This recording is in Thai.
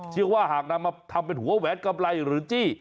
หากนำมาทำเป็นหัวแหวนกำไรหรือจี้